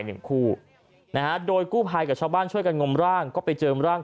หนึ่งคู่นะฮะโดยกู้ภัยกับชาวบ้านช่วยกันงมร่างก็ไปเจอร่าง